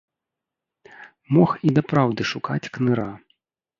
Мог і дапраўды шукаць кныра.